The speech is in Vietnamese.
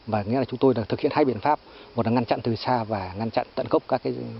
và chúng tôi đã thực hiện hai biện pháp một là ngăn chặn từ xa và ngăn chặn tận gốc